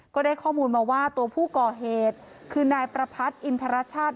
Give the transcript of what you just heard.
ก็ได้ข้อมูลมาว่าตัวผู้ก่อเหตุคือนายประพัทธ์อินทรชาติ